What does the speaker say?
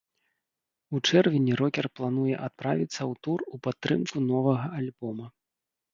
У чэрвені рокер плануе адправіцца ў тур у падтрымку новага альбома.